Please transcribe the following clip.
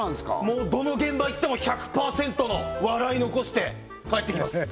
もうどの現場行っても１００％の笑い残して帰ってきます